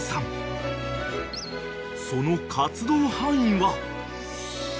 ［その活動範囲は］